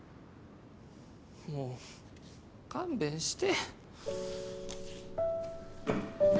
もう勘弁して。